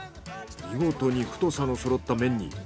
見事に太さのそろった麺に。